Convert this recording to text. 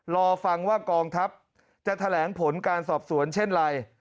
รอฟังว่ากองทัพจะแถลงผลการสอบสวนเช่นไร